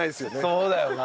そうだよな。